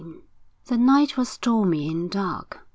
X The night was stormy and dark.